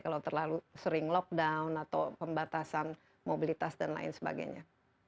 kalau terlalu sering lockdown atau pembatasan mobilitas dan lain sebagainya